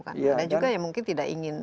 ada juga yang mungkin tidak ingin